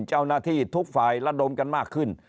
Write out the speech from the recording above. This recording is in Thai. เจ้าหน้าที่ทุกฝ่ายระดมกันมากขึ้น